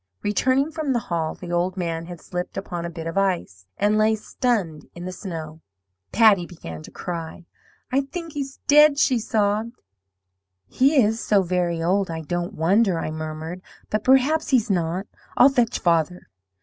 "Returning from the Hall, the old man had slipped upon a bit of ice, and lay stunned in the snow. "Patty began to cry. 'I think he's dead!' she sobbed. "'He is so very old, I don't wonder,' I murmured; 'but perhaps he's not. I'll fetch father.'